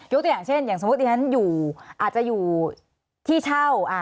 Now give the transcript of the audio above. ตัวอย่างเช่นอย่างสมมุติที่ฉันอยู่อาจจะอยู่ที่เช่า